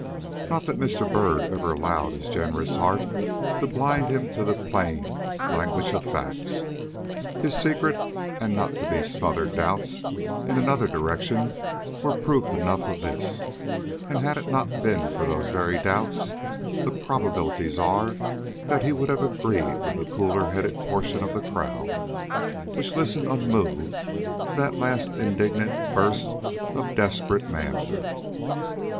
Not that Mr. Byrd ever allowed his generous heart to blind him to the plain language of facts. His secret and not to be smothered doubts in another direction were proof enough of this; and had it not been for those very doubts, the probabilities are that he would have agreed with the cooler headed portion of the crowd, which listened unmoved to that last indignant burst of desperate manhood.